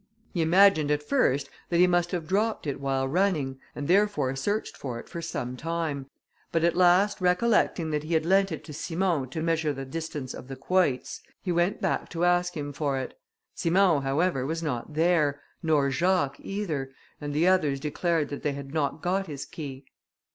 He imagined at first that he must have dropped it while running, and therefore searched for it for some time, but at last recollecting that he had lent it to Simon to measure the distance of the quoits, he went back to ask him for it. Simon, however, was not there, nor Jacques either, and the others declared that they had not got his key.